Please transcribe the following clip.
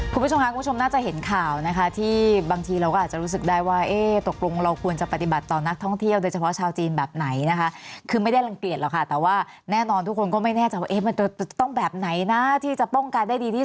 ผู้ชมค่ะคุณผู้ชมน่าจะเห็นข่าวนะคะ